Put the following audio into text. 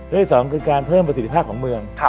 ที่สองคือการเพิ่มประสิทธิภาพของเมือง